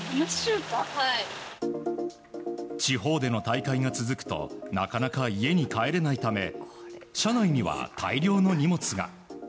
地方での大会が続くとなかなか家に帰れないため車内には大量の荷物が。